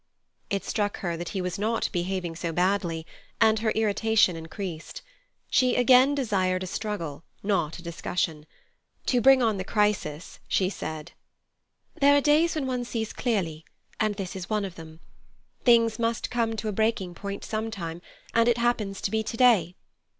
It struck her that he was not behaving so badly, and her irritation increased. She again desired a struggle, not a discussion. To bring on the crisis, she said: "There are days when one sees clearly, and this is one of them. Things must come to a breaking point some time, and it happens to be to day.